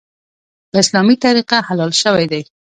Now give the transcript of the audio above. په اسلامي طریقه حلال شوی دی .